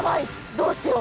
どうしよう！